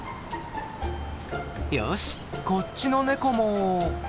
よしこっちのネコも。